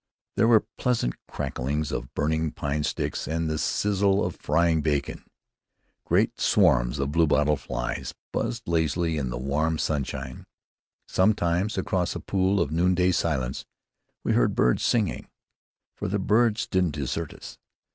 There were pleasant cracklings of burning pine sticks and the sizzle of frying bacon. Great swarms of bluebottle flies buzzed lazily in the warm sunshine. Sometimes, across a pool of noonday silence, we heard birds singing; for the birds didn't desert us.